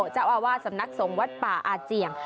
เจ้าอาวาสสำนักสงฆ์วัดป่าอาเจียง